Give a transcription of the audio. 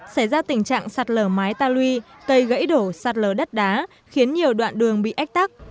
xảy ra tình trạng sạt lở mái ta lui cây gãy đổ sạt lở đất đá khiến nhiều đoạn đường bị ách tắc